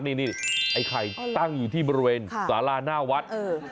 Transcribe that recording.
นี่ไอ้ไข่ตั้งอยู่ที่บริเวณสาราหน้าวัด